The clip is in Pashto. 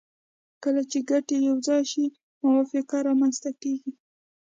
کله چې ګټې یو ځای شي موافقه رامنځته کیږي